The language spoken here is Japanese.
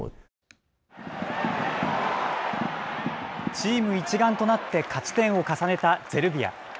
チーム一丸となって勝ち点を重ねたゼルビア。